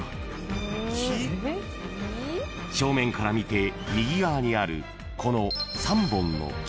［正面から見て右側にあるこの３本の木］